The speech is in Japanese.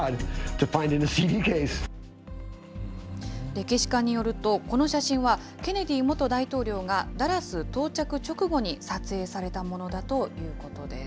歴史家によると、この写真は、ケネディ元大統領がダラス到着直後に撮影されたものだということです。